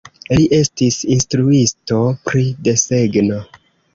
Li estis instruisto pri desegno.